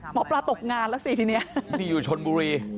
หมอปลาตกงานแล้วสิทีนี้